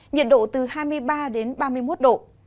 nhiệt độ từ hai mươi ba đến ba mươi một độ